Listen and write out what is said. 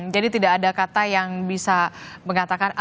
jadi tidak ada kata yang bisa mengatakan